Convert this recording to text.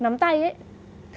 nóng tay ấy